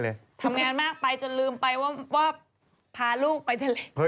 พารูไปทะเล